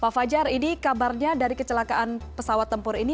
pak fajar ini kabarnya dari kecelakaan pesawat tempur ini